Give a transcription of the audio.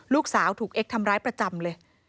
ลูกสาวถูกเอ็กซทำร้ายประจำเลย